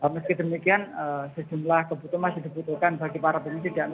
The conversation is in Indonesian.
meski demikian sejumlah kebutuhan masih dibutuhkan bagi para pengungsi